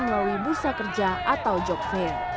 melalui bursa kerja atau jokv